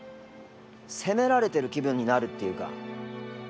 責められてる気分になるっていうか。